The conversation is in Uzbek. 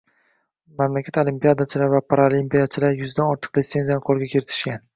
Mamlakat olimpiadachilari va paralimpiyachilar yuzdan ortiq lisenziyani qo‘lga kiritishgan.